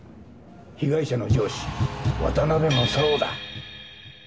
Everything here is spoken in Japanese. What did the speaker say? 被害者の上司渡辺正雄だ。